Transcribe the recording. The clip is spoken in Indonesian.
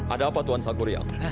ada apa tuan salgurian